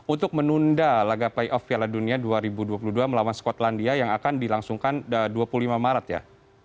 untuk menunda laga playoff piala dunia dua ribu dua puluh dua melawan skotlandia yang akan dilangsungkan dua puluh lima maret ya